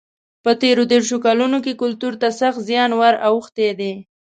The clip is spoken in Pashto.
په تېرو دېرشو کلونو کې کلتور ته سخت زیان ور اوښتی دی.